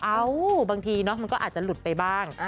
อ้าวบางทีมันก็อาจจะหลุดไปบ้าง